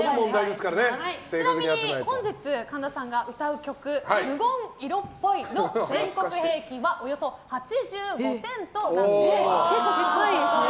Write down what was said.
ちなみに本日、神田さんが歌う「ＭＵＧＯ・ん色っぽい」の全国平均はおよそ８５点となっています。